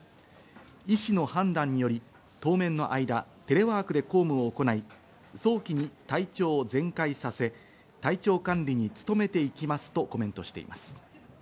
医師の判断により当面の間、テレワークで公務を行い、早期に体調を全快させ、体調管理に努めていきますとコメントしています。